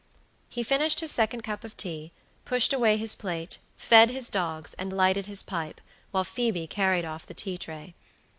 He finished his second cup of tea, pushed away his plate, fed his dogs, and lighted his pipe, while Phoebe carried off the tea tray.